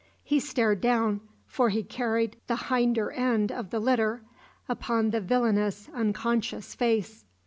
He stared down for he carried the hinder end of the litter upon the villainous, unconscious face.